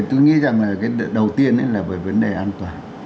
tôi nghĩ rằng là cái đầu tiên là bởi vấn đề an toàn